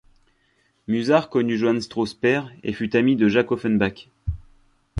Musard connut Johann Strauss père et fut ami de Jacques Offenbach.